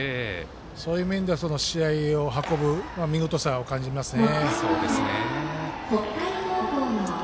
そういう面では、試合を運ぶ見事さを感じますね。